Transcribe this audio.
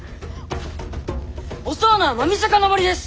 襲うのは狸坂の森です！